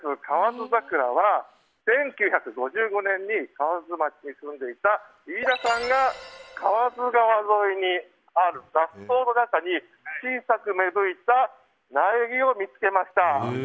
河津桜は１９５５年に河津町に住んでいた飯田さんが河津川沿いにある雑草の中に小さく芽吹いた苗木を見つけました。